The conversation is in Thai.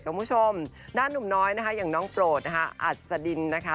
คุณผู้ชมด้านหนุ่มน้อยนะคะอย่างน้องโปรดนะคะอัศดินนะคะ